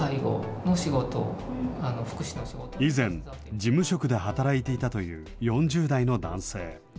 以前、事務職で働いていたという４０代の男性。